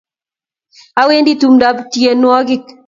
Awendi tumtab tienwogik